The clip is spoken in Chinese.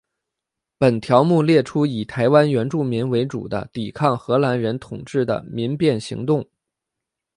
本条目列出以台湾原住民为主的抵抗荷兰人统治的民变行动。